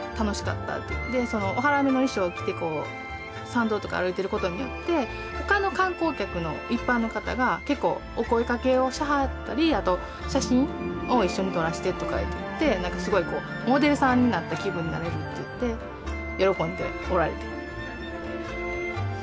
でその大原女の衣装を着てこう参道とか歩いていることによってほかの観光客の一般の方が結構お声かけをしはったりあと写真を一緒に撮らしてとか言ってすごいこうモデルさんになった気分になれるって言って喜んでおられたり。